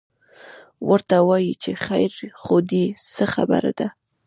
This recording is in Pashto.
ورته وایي چې خیر خو دی، څه خبره ده؟